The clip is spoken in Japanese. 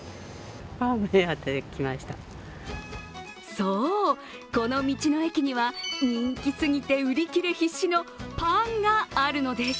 そう、この道の駅には人気すぎて売り切れ必至のパンがあるのです。